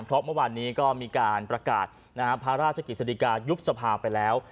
เพราะเมื่อวานนี้ก็มีการประกาศพระราชกิจสดิกายุบสภาไปแล้ว